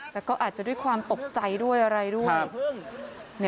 แต่ก็อาจจะด้วยความตกใจด้วยอะไรด้วย